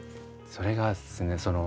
それがですね